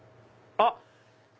あっ！